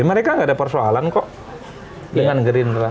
mereka nggak ada persoalan kok dengan gerindra